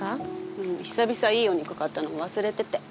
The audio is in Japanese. うん久々いいお肉買ったの忘れてて。